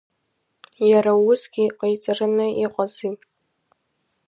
Иара усгьы иҟаиҵараны иҟази.